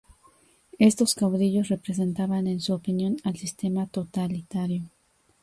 Estos caudillos representaban ―en su opinión― al sistema totalitario.